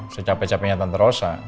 secape capeknya tante rosa